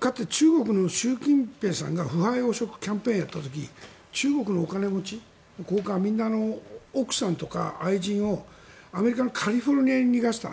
かつて中国の習近平さんが腐敗汚職キャンペーンをやった時中国のお金持ちの高官はみんな、奥さんとか愛人をアメリカのカリフォルニアに逃がした。